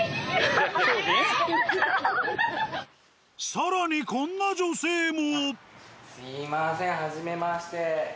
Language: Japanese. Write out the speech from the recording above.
更にこんな女性も。